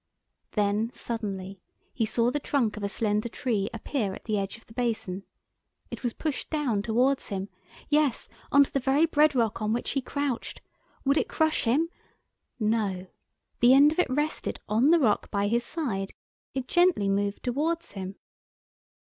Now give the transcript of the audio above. Then suddenly he saw the trunk of a slender tree appear at the edge of the basin. It was pushed down towards him. Yes on to the very bread rock on which he crouched. Would it crush him? No! The end of it rested on the rock by his side; it gently moved towards him.